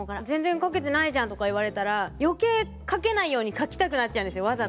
全然書けてないじゃんとか言われたら余計書けないように書きたくなっちゃうんですよ。